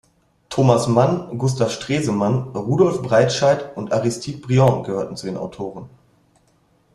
Thomas Mann, Gustav Stresemann, Rudolf Breitscheid und Aristide Briand gehörten zu den Autoren.